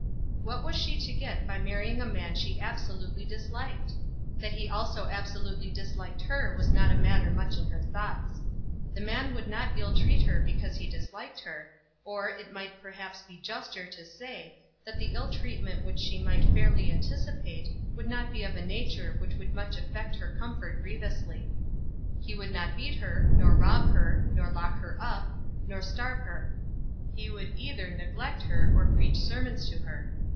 What was she to get by marrying a man she absolutely disliked? That he also absolutely disliked her was not a matter much in her thoughts. The man would not ill treat her because he disliked her; or, it might perhaps be juster to say, that the ill treatment which she might fairly anticipate would not be of a nature which would much affect her comfort grievously. He would not beat her, nor rob her, nor lock her up, nor starve her. He would either neglect her, or preach sermons to her.